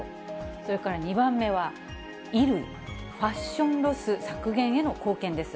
それから２番目は、衣類、ファッションロス削減への貢献です。